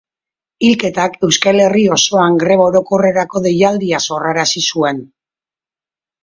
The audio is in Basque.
Hilketak Euskal Herri osoan greba orokorrerako deialdia sorrarazi zuen.